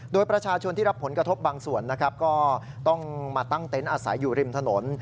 โดยประชาชนที่รับผลกระทบบางส่วนนะครับก็ต้องมาตั้งเต็นต์อาศัยอยู่ริมถนน